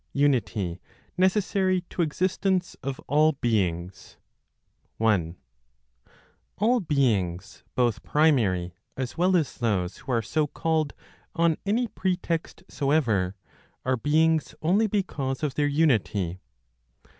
UNITY NECESSARY TO EXISTENCE OF ALL BEINGS. 1. All beings, both primary, as well as those who are so called on any pretext soever, are beings only because of their unity.